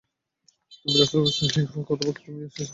নবী-রাসূলগণ সহীফা অথবা কিতাব নিয়ে এসেছেন।